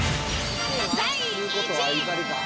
第１位。